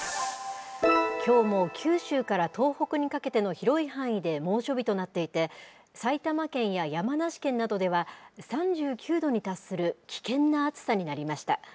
きょうも九州から東北にかけての広い範囲で猛暑日となっていて、埼玉県や山梨県などでは３９度に達する危険な暑さになりました。